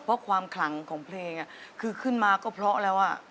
พอความขลังของเพลงคือขึ้นมาก็พอแล้ว